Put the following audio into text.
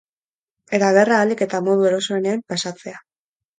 Eta gerra ahalik eta modu erosoenean pasatzea.